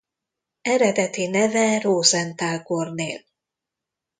Eredeti neve Rosenthal Kornél.